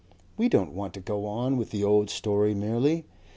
We don't want to go on with the old story merely.